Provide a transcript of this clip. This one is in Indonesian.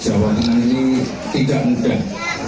jawa tengah ini tidak mudah